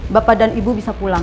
bapak dan ibu bisa pulang